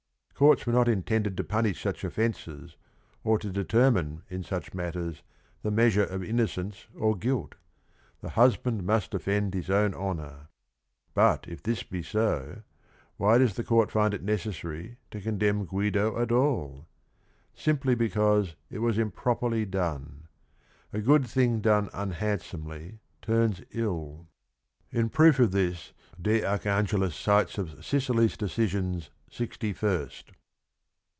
Courts were not intended to punish such offences or to determine in such matters the measure of in nocence or guilt; the husband must defend his own honor. But if this be so, why does the court find it necessary to condemn Guido at all ? Simply because it was improperly done. " A good thing done unhandsomely turns ill." In proof of this de Archangelis cites of "Sicily's Decisions sixty first."